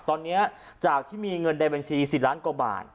ตอนนี้จากที่มีเงินในบัญชี๔ล้านกว่าบาท